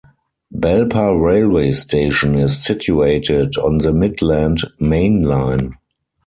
Belper railway station is situated on the Midland Main Line.